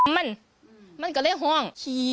มันก็เลยห่อง